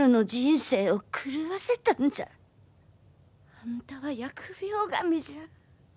あんたは疫病神じゃ。